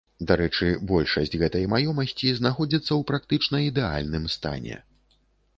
Дарэчы, большасць гэтай маёмасці знаходзіцца ў практычна ідэальным стане.